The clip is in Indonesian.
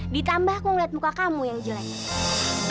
ditambah aku melihat muka kamu yang jelek